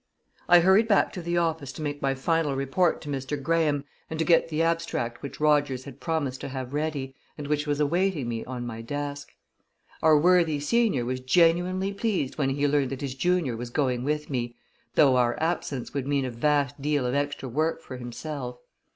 I hurried back to the office to make my final report to Mr. Graham, and to get the abstract which Rogers had promised to have ready, and which was awaiting me on my desk. Our worthy senior was genuinely pleased when he learned that his junior was going with me, though our absence would mean a vast deal of extra work for himself.